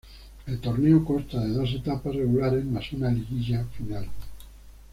El torneo consta de dos etapas regulares mas una liguilla final.